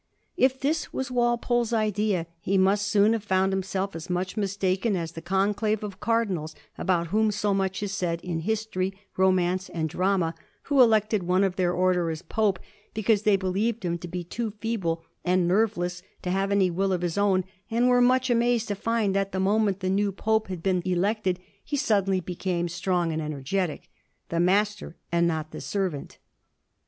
If this was Walpole's idea, he must soon have found himself as much mistaken .as the conclave of Cardinals about whom so much is said in history, romance, and the drama, who elected one of their order as Pope because they believed him to be too feeble and nerveless to have any will of his own, and were much amazed to find that the moment the new Pope had been elected he suddenly became strong and energetic — ^the master, and not the servant.